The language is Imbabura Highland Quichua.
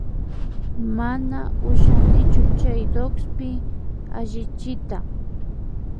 Mana ushanichu chay DOCSpi allichiyta